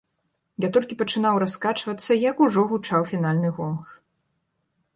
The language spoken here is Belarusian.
Я толькі пачынаў раскачвацца, як ужо гучаў фінальны гонг.